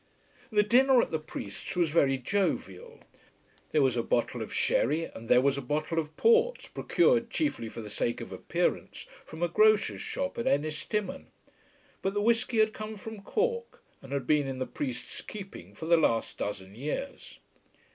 The dinner at the priest's was very jovial. There was a bottle of sherry and there was a bottle of port, procured, chiefly for the sake of appearance, from a grocer's shop at Ennistimon; but the whiskey had come from Cork and had been in the priest's keeping for the last dozen years.